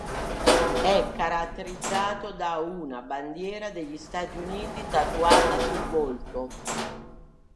È caratterizzato da una bandiera degli Stati Uniti tatuata sul volto.